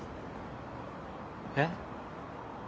えっ？